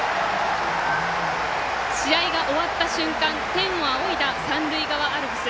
試合が終わった瞬間天を仰いだ三塁側アルプス。